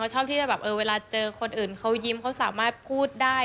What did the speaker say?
ชอบที่จะแบบเวลาเจอคนอื่นเขายิ้มเขาสามารถพูดได้